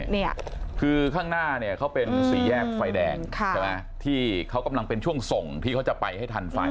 เนี่ยคือข้างหน้าเนี่ยเขาเป็นสี่แยกไฟแดงใช่ไหมที่เขากำลังเป็นช่วงส่งที่เขาจะไปให้ทันไฟ